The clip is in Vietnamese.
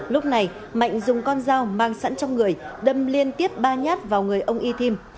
lúc này mạnh dùng con dao mang sẵn trong người đâm liên tiếp ba nhát vào người ông y thim